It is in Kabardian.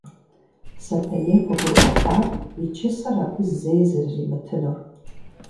Сэтэней къыгурыӀуэпат и чысэр абы зэи зэрыримытынур.